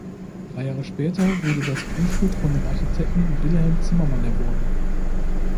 Drei Jahre später wurde das Grundstück von dem Architekten Wilhelm Zimmerman erworben.